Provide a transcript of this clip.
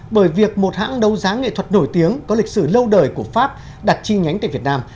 bởi việc một hãng đấu giá nghệ thuật nổi tiếng có lịch sử lâu đời của pháp đặt chi nhánh tại việt nam